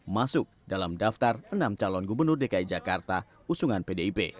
masuk dalam daftar enam calon gubernur dki jakarta usungan pdip